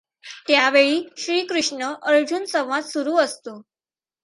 त्यावेळी श्रीकृष्ण अर्जुन संवाद सुरू असतो.